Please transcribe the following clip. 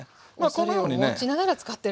おそれを持ちながら使ってる。